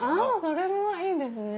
それもいいですね。